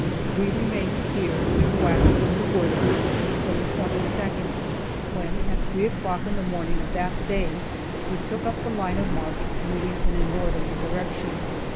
We remained here, bivouacking in the woods, until the 22nd, when, at 3 o'clock in the morning of that day, we took up the line of march, moving in a northerly direction.